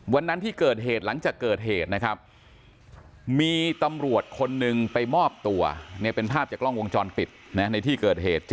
วันนั้นที่เกิดเหตุหลังจากเกิดเหตุนะครับมีตำรวจคนหนึ่งไปมอบตัวเป็นภาพจากกล้องวงจรปิดในที่เกิดเหตุ